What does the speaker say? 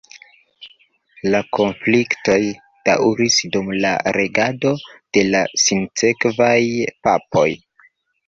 La konfliktoj daŭris dum la regado de la sinsekvaj papoj.